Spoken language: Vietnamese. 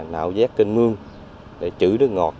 nạo giác kênh mương để trữ nước ngọt